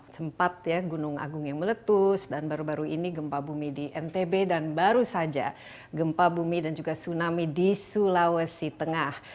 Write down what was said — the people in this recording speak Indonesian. sempat ya gunung agung yang meletus dan baru baru ini gempa bumi di ntb dan baru saja gempa bumi dan juga tsunami di sulawesi tengah